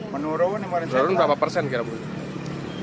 menurun berapa persen kira kira